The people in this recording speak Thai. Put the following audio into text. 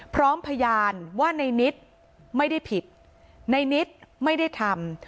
พร้อมพยานว่าในนิดไม่ได้ผิดในนิดไม่ได้ทำ